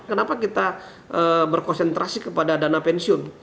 kenapa kita berkonsentrasi kepada dana pensiun